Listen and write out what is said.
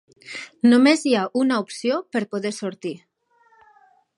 Només hi ha una opció per poder sortir